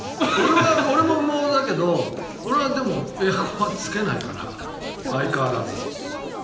俺も羽毛だけど俺はでも、エアコンはつけないから相変わらず。